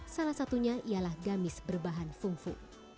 salah satunya ialah gamis berbahan fungfu